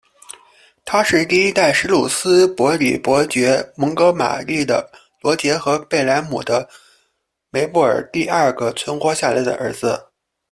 他是第一代什鲁斯伯里伯爵蒙哥马利的罗杰和贝莱姆的梅布尔第二个存活下来的儿子。